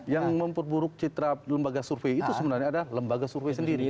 yang memperburuk citra lembaga survei itu sebenarnya adalah lembaga survei sendiri